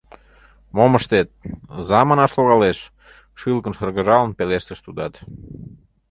— Мом ыштет, «за» манаш логалеш, — шӱлыкын шыргыжалын, пелештыш тудат.